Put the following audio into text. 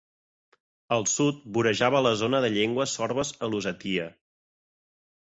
Al sud, vorejava la zona de llengües sorbes a Lusatia.